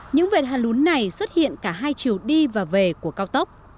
những vệt hàn lún này xuất hiện cả hai chiều đi và về của cao tốc